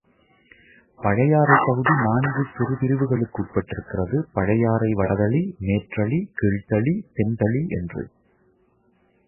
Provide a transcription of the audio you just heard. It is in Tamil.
பழையாறைப் பகுதி நான்கு சிறு பிரிவுகளுக்கு உட்பட்டிருக்கிறது பழையாறை வடதளி, மேற்றளி, கீழ்த்தளி, தென் தளி என்று.